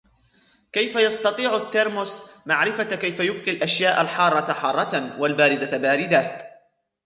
كيف يستطيع الترمس معرفة كيف يبقي الأشياء الحارة حارةً ؛ والباردة باردةً ؟